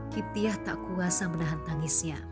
kip tia tak kuasa menahan tangisnya